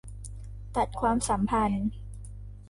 ตัดความสัมพันธ์